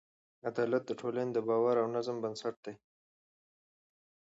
عدالت د ټولنې د باور او نظم بنسټ دی.